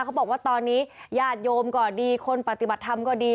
เขาบอกว่าตอนนี้ญาติโยมก็ดีคนปฏิบัติธรรมก็ดี